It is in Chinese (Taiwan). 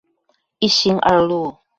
一心二路